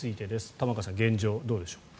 玉川さん、現状、どうでしょう。